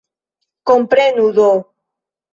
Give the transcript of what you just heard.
Komprenu do!